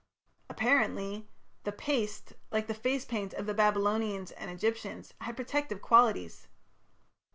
Apparently the "paste", like the face paint of the Babylonians and Egyptians, had protective qualities.